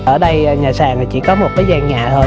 ở đây nhà sàn chỉ có một vài nhà thôi